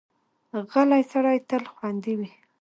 غلی سړی تل خوندي وي.